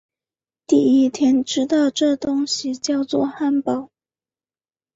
第一天知道这东西叫作汉堡